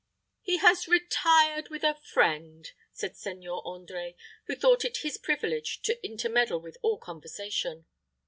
"He has retired with a friend," said Seigneur André, who thought it his privilege to intermeddle with all conversation.